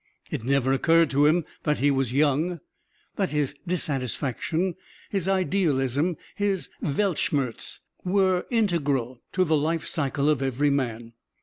It never occurred to him that he was young, that his dissatisfaction, his idealism, his Weltschmertz were integral to the life cycle of every man.